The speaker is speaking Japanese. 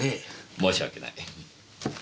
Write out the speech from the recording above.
申し訳ない。